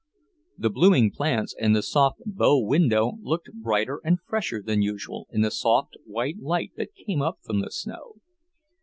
The blooming plants in the south bow window looked brighter and fresher than usual in the soft white light that came up from the snow.